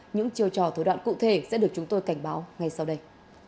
những chiều trò thủ đoạn cụ thể sẽ được chúng tôi cảnh báo ngay sau đây